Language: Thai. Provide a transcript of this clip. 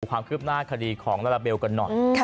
ความคืบหน้าคดีของลาลาเบลกันหน่อย